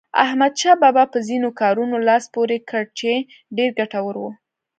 احمدشاه بابا په ځینو کارونو لاس پورې کړ چې ډېر ګټور وو.